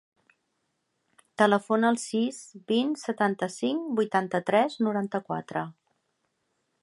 Telefona al sis, vint, setanta-cinc, vuitanta-tres, noranta-quatre.